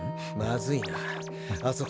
まずいなあ